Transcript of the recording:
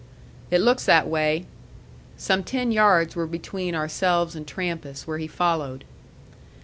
"It looks that way." Some ten yards were between ourselves and Trampas, where he followed.